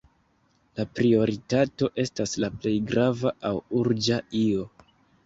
La prioritato estas la plej grava aŭ urĝa io.